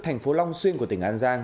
thành phố long xuyên của tỉnh an giang